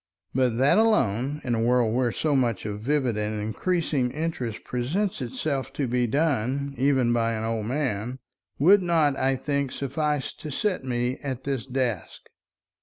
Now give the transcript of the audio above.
But that alone, in a world where so much of vivid and increasing interest presents itself to be done, even by an old man, would not, I think, suffice to set me at this desk.